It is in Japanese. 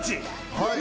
はい。